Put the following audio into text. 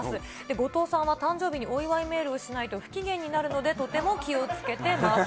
後藤さんは誕生日にお祝いメールをしないと不機嫌になるのでとても気をつけてます。